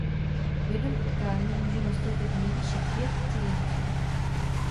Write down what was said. V jednom utkání může nastoupit nejvýše pět cizinců.